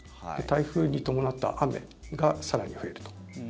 台風に伴った雨が更に増えると。